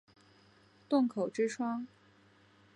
洞口之窗